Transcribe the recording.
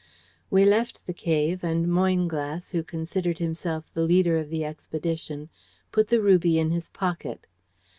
"We left the cave, and Moynglass, who considered himself the leader of the expedition, put the ruby in his pocket.